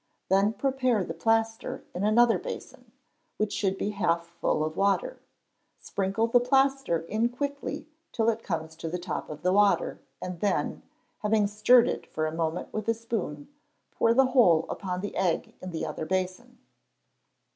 Then prepare the plaster in another basin, which should be half full of water. Sprinkle the plaster in quickly till it comes to the top of the water, and then, having stirred it for a moment with a spoon, pour the whole upon the egg in the other basin.